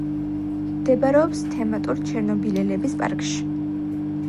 მდებარეობს თემატურ ჩერნობილელების პარკში.